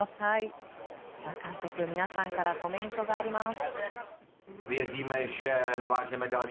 監督、皆さんからコメントがあります。